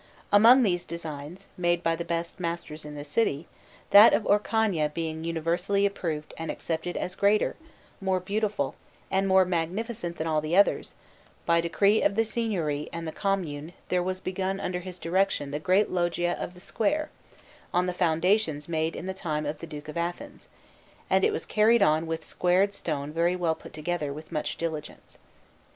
Among these designs, made by the best masters in the city, that of Orcagna being universally approved and accepted as greater, more beautiful, and more magnificent than all the others, by decree of the Signori and of the Commune there was begun under his direction the great Loggia of the square, on the foundations made in the time of the Duke of Athens, and it was carried on with squared stone very well put together, with much diligence.